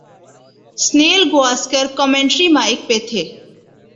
Sunil Gavaskar commentary mike پہ تھے۔